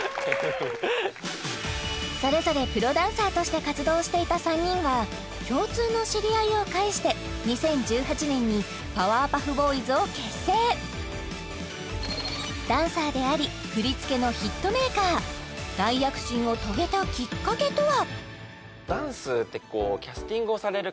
それぞれプロダンサーとして活動していた３人は共通の知り合いを介してダンサーであり振り付けのヒットメーカー大躍進を遂げたきっかけとは？